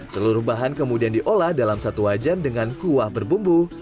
seluruh bahan kemudian diolah dalam satu wajan dengan kuah berbumbu